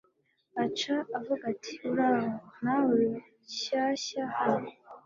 aca avuga ati uraho! nawe uri shyashya hano